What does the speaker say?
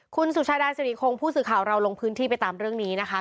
คุณสุชาดาสิริคงผู้สื่อข่าวเราลงพื้นที่ไปตามเรื่องนี้นะคะ